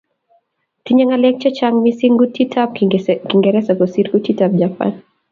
Tinyei ngalek chechang missing kutitab kingereza kosir kutitab japan